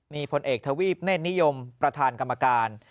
มีผลเอกทวีปเนธนิยมประธานกรรมการ